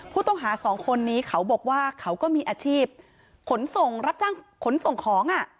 ผู้ต้องหาสองคนนี้เขาบอกว่าเขาก็มีอาชีพขนส่งรับจ้างขนส่งของ